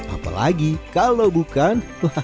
apalagi kalau bukan